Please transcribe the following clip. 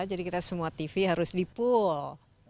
jadi kita semua tv harus dipul